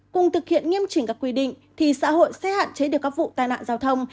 cùng thực hiện nghiêm chỉnh các quy định thì xã hội sẽ hạn chế được các vụ tai nạn giao thông